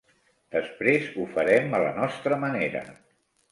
Després ho farem a la nostra manera.